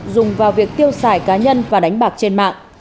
dùng vào việc tiêu xài cá nhân và đánh bạc trên mạng